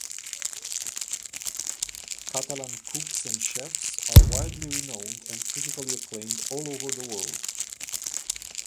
Catalan cooks and chefs are widely renowned and critically acclaimed all over the world.